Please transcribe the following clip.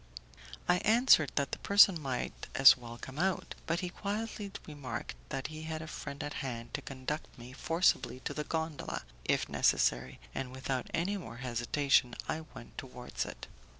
I answered that the person might as well come out, but he quietly remarked that he had a friend at hand to conduct me forcibly to the gondola, if necessary, and without any more hesitation I went towards it.